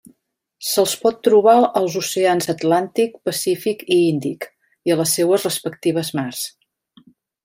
Se'ls pot trobar als oceans Atlàntic, Pacífic i Índic, i a les seues respectives mars.